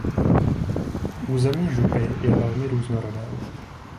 Území župy je velmi různorodé.